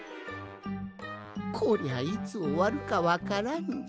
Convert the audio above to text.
こりゃいつおわるかわからんぞい。